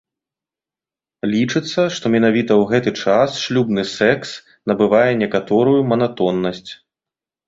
Лічыцца, што менавіта ў гэты час шлюбны секс набывае некаторую манатоннасць.